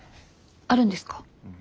あるんですか？